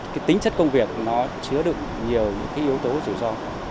cái tính chất công việc nó chứa được nhiều những cái yếu tố rủi ro